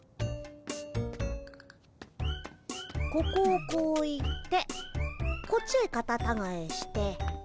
ここをこう行ってこっちへカタタガエして。